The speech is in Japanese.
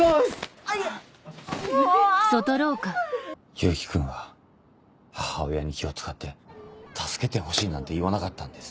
勇気君は母親に気を使って助けてほしいなんて言わなかったんです。